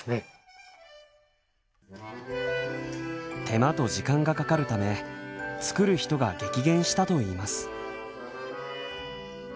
手間と時間がかかるため作る人が激減したといいます。